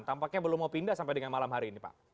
tampaknya belum mau pindah sampai dengan malam hari ini pak